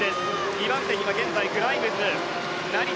２番手はグライムズ。